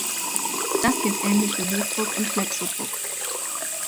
Das gilt ähnlich für Buchdruck und Flexodruck.